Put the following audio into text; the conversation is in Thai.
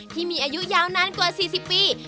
ที่มีอายุยาวนานกว่า๔๐ปี